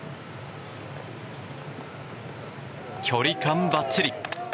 距離感ばっちり。